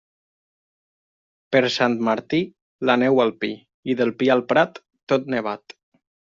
Per Sant Martí, la neu al pi, i del pi al prat, tot nevat.